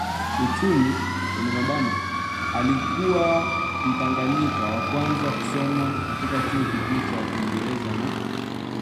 uchumi (alikuwa Mtanganyika wa kwanza kusoma katika chuo kikuu cha Uingereza na wa